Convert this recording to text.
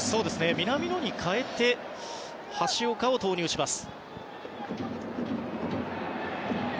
南野に代えて橋岡を投入します。